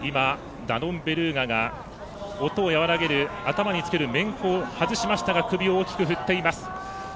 ダノンベルーガが頭につけるメンコを外しましたが首を大きく振っています。